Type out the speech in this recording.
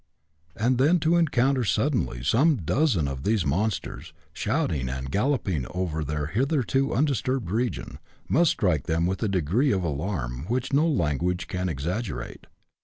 And then to en counter suddenly some dozen of these monsters, shouting and galloping over their hitherto undisturbed region, must strike them with a degree of alarm which no language can exaggerate.